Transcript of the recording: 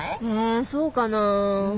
えそうかなぁ。